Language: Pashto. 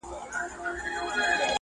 خیراتونه اورېدل پر بې وزلانو،